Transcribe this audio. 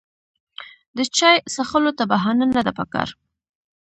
د چای څښلو ته بهانه نه ده پکار.